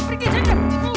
pergi pergi pergi